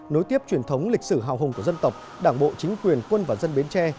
nối tiếp truyền thống lịch sử hào hùng của dân tộc đảng bộ chính quyền quân và dân bến tre